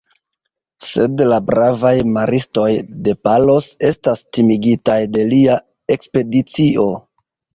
Sed la bravaj maristoj de Palos estas timigitaj de lia ekspedicio.